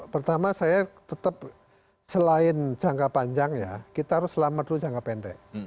pertama saya tetap selain jangka panjang ya kita harus selamat dulu jangka pendek